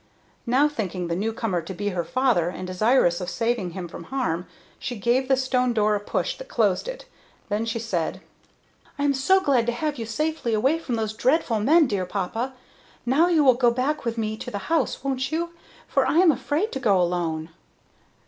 Now, thinking the new comer to be her father, and desirous of saving him from harm, she gave the stone door a push that closed it. Then she said: "I am so glad to have you safely away from those dreadful men, dear papa! Now you will go back with me to the house, won't you, for I am afraid to go alone?"